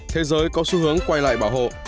thế giới có xu hướng quay lại bảo hộ